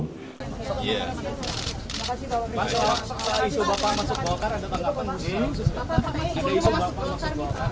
mas ada isu bapak masuk golkar ada tanggapan musuh